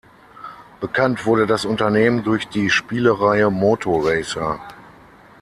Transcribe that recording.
Bekannt wurde das Unternehmen durch die Spielereihe Moto Racer.